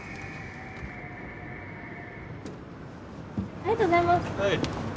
ありがとうございます。